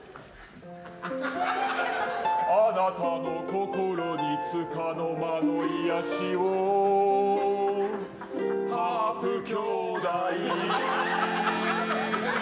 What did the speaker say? あなたの心につかの間の癒やしをハープ兄弟。